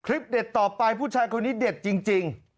เด็ดต่อไปผู้ชายคนนี้เด็ดจริง